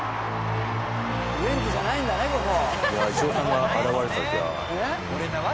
「ウエンツじゃないんだねここ」